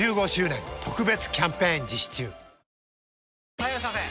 ・はいいらっしゃいませ！